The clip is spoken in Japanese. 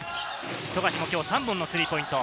富樫もきょう３本のスリーポイント。